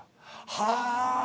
はあ。